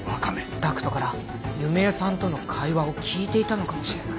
ダクトから弓江さんとの会話を聞いていたのかもしれない。